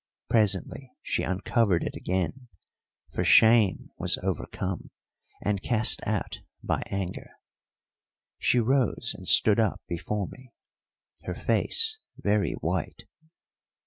Presently she uncovered it again, for shame was overcome and cast out by anger. She rose and stood up before me, her face very white.